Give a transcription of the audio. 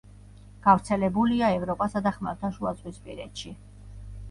გავრცელებულია ევროპასა და ხმელთაშუაზღვისპირეთში.